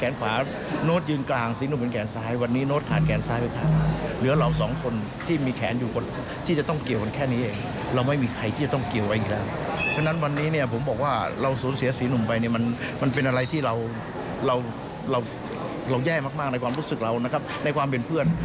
เราแย่มากในความรู้สึกเรานะครับในความเป็นเพื่อน